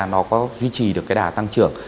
nó có duy trì được đà tăng trưởng